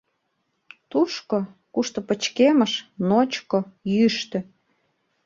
Тушко, кушто пычкемыш, ночко, йӱштӧ.